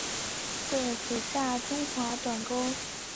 中华短沟红萤为红萤科短沟红萤属下的一个种。